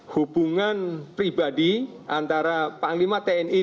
hubungan pribadi antara panglima tni dengan panglima bersenjata amerika ya